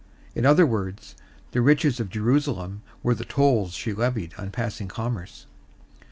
In other words, the riches of Jerusalem were the tolls she levied on passing commerce.